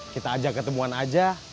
kita ajak ketemuan aja